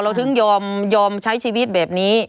ถึงยอมใช้ชีวิตแบบนี้